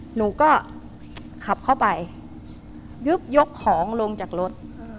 หนูก็ขับเข้าไปยึบยกของลงจากรถ